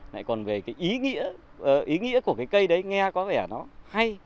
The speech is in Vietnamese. lại còn về cái ý nghĩa ý nghĩa của cái cây đấy nghe có vẻ nó hay